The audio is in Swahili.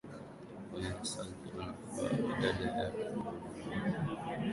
nyanyasa wanafunzi badala yake unanuua